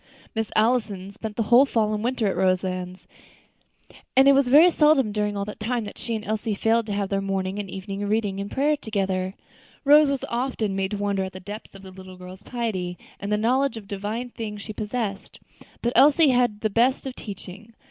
Miss Allison spent the whole fall and winter at Roselands; and it was very seldom during all that time that she and Elsie failed to have their morning and evening reading and prayer together. Rose was often made to wonder at the depth of the little girl's piety and the knowledge of divine things she possessed. But Elsie had had the best of teaching.